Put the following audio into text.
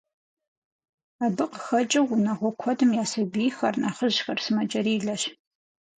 Абы къыхэкӏыу унагъуэ куэдым я сабийхэр, нэхъыжьхэр сымаджэрилэщ.